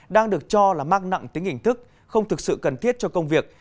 đang được cho là mắc nặng tính hình thức không thực sự cần thiết cho công việc